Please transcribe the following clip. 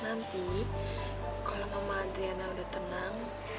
nanti kalau mama adriana udah tenang